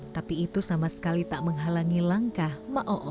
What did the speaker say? tapi itu sama sekali tak menghalangi langkah ma'oom